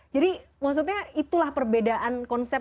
jadi maksudnya itulah perbedaan konsep